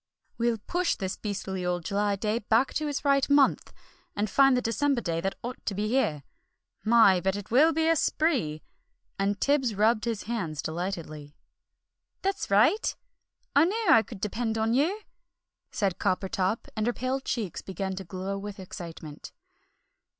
"We'll push this beastly old July day back to its right month, and find the December day that ought to be here. My, but it will be a spree!" and Tibbs rubbed his hands delightedly. "That's right! I knew I could depend on you!" said Coppertop, and her pale cheeks began to glow with excitement.